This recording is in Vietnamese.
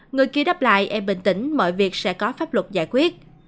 người kia đắp lại em bình tĩnh mọi việc sẽ có pháp luật giải quyết